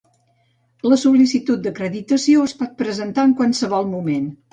La sol·licitud d'acreditació es pot presentar en qualsevol moment.